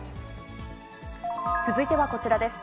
続いてはこちらです。